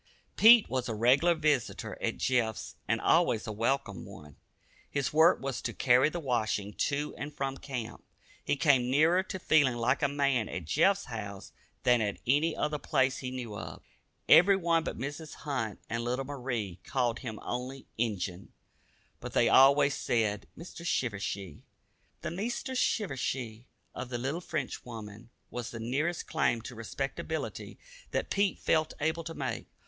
Pete was a regular visitor at Jeff's and always a welcome one. His work was to carry the washing to and from camp. He came nearer to feeling like a man at Jeff's house than at any other place he knew of. Everyone but Mrs. Hunt and little Marie called him only "Injun," but they always said "Mr. Shivershee." The "Meester Shivershee" of the little Frenchwoman was the nearest claim to respectability that Pete felt able to make.